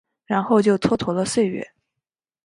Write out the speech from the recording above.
然后就蹉跎了岁月